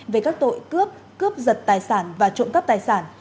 về các tội cướp cướp giật tài sản và trộm cắp tài sản